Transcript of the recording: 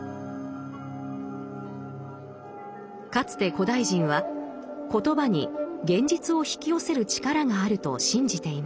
かつて古代人は言葉に現実を引き寄せる力があると信じていました。